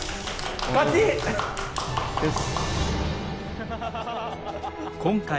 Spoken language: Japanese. よし。